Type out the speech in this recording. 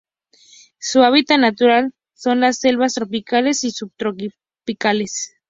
Su hábitat natural son las selvas tropicales y subtropicales.